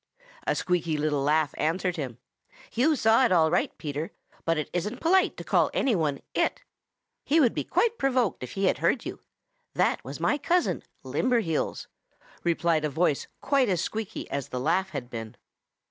A squeaky little laugh answered him. "You saw it all right, Peter, but it isn't polite to call any one it. He would be quite provoked if he had heard you. That was my cousin, Limberheels," replied a voice quite as squeaky as the laugh had been.